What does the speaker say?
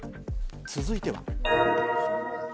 続いては。